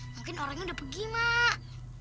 mungkin orangnya udah pergi mak